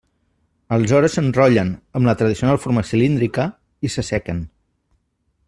Aleshores s'enrotllen, amb la tradicional forma cilíndrica, i s'assequen.